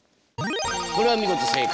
これは見事正解。